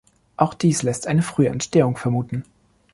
Auch dies lässt eine frühe Entstehung vermuten.